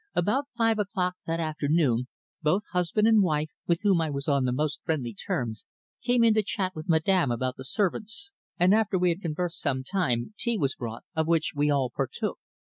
About five o'clock that afternoon both husband and wife, with whom I was on the most friendly terms, came in to chat with Madame about the servants, and after we had conversed some time tea was brought, of which we all partook.